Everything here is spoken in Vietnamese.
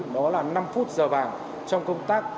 đó là năm phút giờ vàng trong công tác